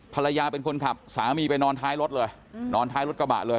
ภรรยาเป็นคนขับสามีไปนอนท้ายรถเลยนอนท้ายรถกระบะเลย